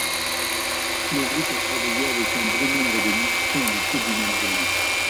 Le groupe a travaillé avec un bon nombre de musiciens invités du même genre.